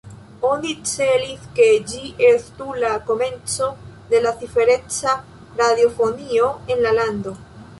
Oni celis, ke ĝi estu la komenco de cifereca radiofonio en la lando.